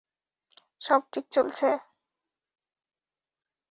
সব ঠিক চলছে?